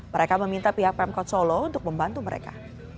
mereka meminta pihak pemkot solo untuk membantu mereka